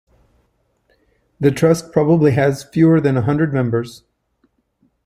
The Trust probably has fewer than a hundred members.